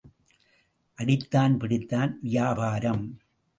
அடித்தான் பிடித்தான் வியாபாரம்.